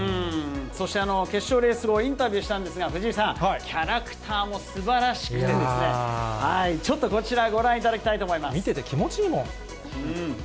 そして決勝レース後、インタビューしたんですが、藤井さん、キャラクターもすばらしくてですね、ちょっとこちら、ご覧いただ見てて気持ちいいもん。